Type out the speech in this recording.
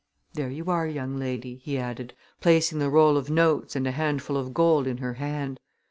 There you are, young lady!" he added, placing the roll of notes and a handful of gold in her hand.